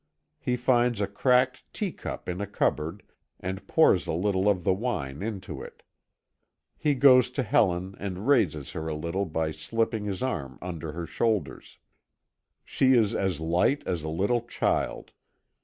He finds a cracked tea cup in a cupboard, and pours a little of the wine into it. He goes to Helen and raises her a little by slipping his arm under her shoulders. She is as light as a little child.